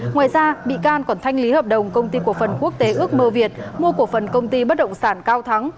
ngoài ra bị can còn thanh lý hợp đồng công ty cổ phần quốc tế ước mơ việt mua cổ phần công ty bất động sản cao thắng